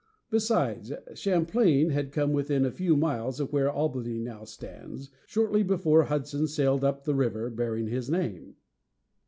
Besides, Champlain had come within a few miles of where Albany now stands, shortly before Hudson sailed up the river bearing his name.